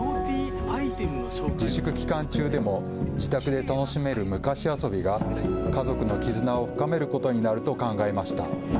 自粛期間中でも自宅で楽しめる昔遊びが家族の絆を深めることになると考えました。